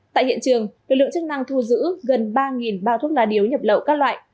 tại hiện trường lực lượng chức năng thu giữ gần ba bao thuốc lá điếu nhập lậu các loại